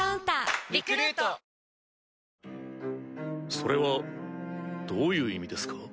それはどういう意味ですか？